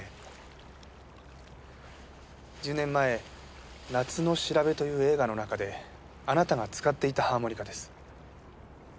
１０年前『夏のしらべ』という映画の中であなたが使っていたハーモニカです。